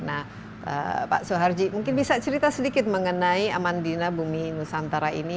nah pak soeharji mungkin bisa cerita sedikit mengenai amandina bumi nusantara ini